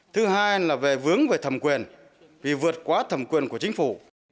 thứ hai là về vướng về thẩm quyền vì vượt quá thẩm quyền của chính phủ